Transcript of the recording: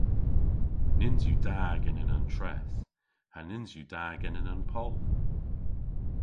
Nyns yw da genen an treth, ha nyns yw da genen an poll.